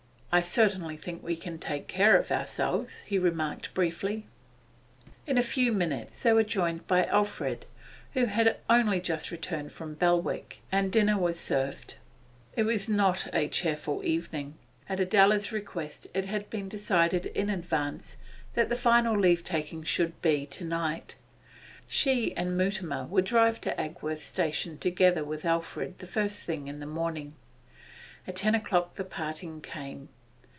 'I certainly think we can take care of ourselves,' he remarked briefly. In a few minutes they were joined by Alfred, who had only just returned from Belwick, and dinner was served. It was not a cheerful evening. At Adela's request it had been decided in advance that the final leave taking should be to night; she and Mutimer would drive to Agworth station together with Alfred the first thing in the morning. At ten o'clock the parting came.